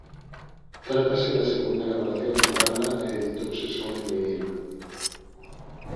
Trátase da segunda gravación da banda e editouse só en vinilo.